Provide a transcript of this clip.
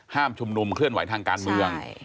ชุมนุมเคลื่อนไหวทางการเมือง